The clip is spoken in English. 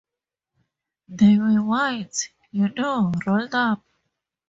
They were white, you know, rolled up.